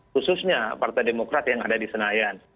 khususnya partai demokrat yang ada di senayan